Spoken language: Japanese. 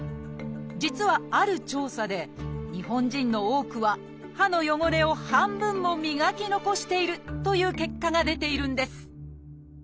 実はある調査で日本人の多くは歯の汚れを半分も磨き残しているという結果が出ているんです